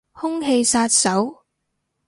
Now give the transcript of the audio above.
空氣殺手